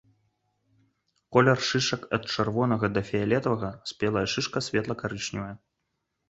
Колер шышак ад чырвонага да фіялетавага, спелая шышка светла-карычневая.